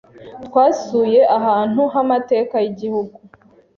Twasuye ahantu h'amateka y'igihugu.